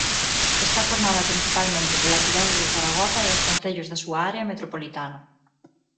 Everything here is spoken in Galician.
Está formada principalmente pola cidade de Zaragoza e os concellos da súa área metropolitana.